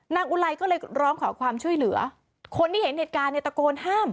อุไลก็เลยร้องขอความช่วยเหลือคนที่เห็นเหตุการณ์ในตะโกนห้าม